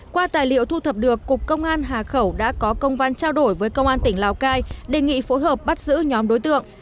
qua tài liệu thu thập được cục công an hà khẩu đã có công văn trao đổi với công an tỉnh lào cai đề nghị phối hợp bắt giữ nhóm đối tượng